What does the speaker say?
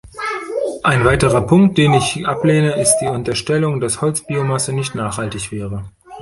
Ein weiterer Punkt den ich ablehne ist die Unterstellung, dass Holzbiomasse nicht nachhaltig wäre.